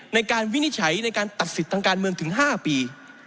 วินิจฉัยในการตัดสิทธิ์ทางการเมืองถึง๕ปี